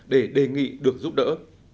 để đề nghị được giúp đỡ